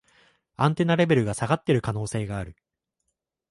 アンテナレベルが下がってる可能性がある